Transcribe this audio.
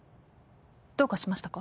どうかしましたか？